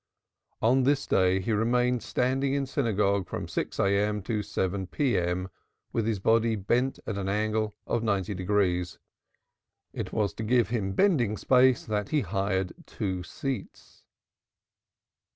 On this day he remained standing in synagogue from 6 A.M. to 7 P.M. with his body bent at an angle of ninety degrees; it was to give him bending space that he hired two seats.